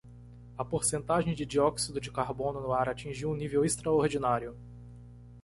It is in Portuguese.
A porcentagem de dióxido de carbono no ar atingiu um nível extraordinário.